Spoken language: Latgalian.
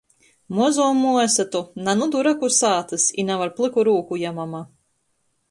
Mozuo muosa to "na nu duraku sātys" i nav ar plyku rūku jamama.